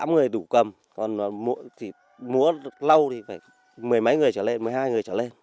tám người đủ cầm còn múa lâu thì phải mười mấy người trở lên một mươi hai người trở lên